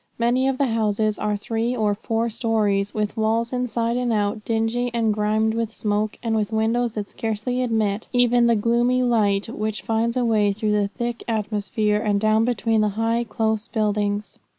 Many of the houses are of three or four stories, with walls, inside and out, dingy and grimed with smoke, and with windows that scarcely admit even the gloomy light which finds a way through the thick atmosphere, and down between the high, close buildings.